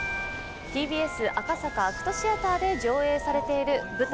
ＴＢＳ赤坂ＡＣＴシアターで上映されている舞台